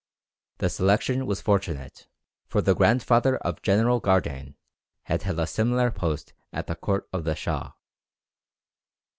The selection was fortunate, for the grandfather of General Gardane had held a similar post at the court of the shah.